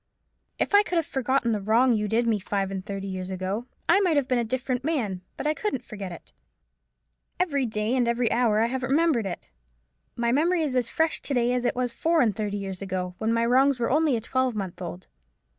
If I could have forgotten the wrong you did me five and thirty years ago, I might have been a different man: but I couldn't forget it. Every day and every hour I have remembered it. My memory is as fresh to day as it was four and thirty years ago, when my wrongs were only a twelvemonth old."